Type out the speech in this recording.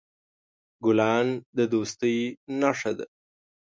ګلان د دوستۍ نښه ده.